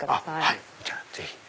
はいじゃあぜひ。